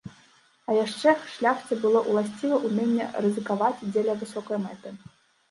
А яшчэ шляхце было ўласціва ўменне рызыкаваць дзеля высокай мэты.